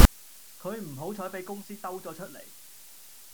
佢唔好彩比公司兜咗出嚟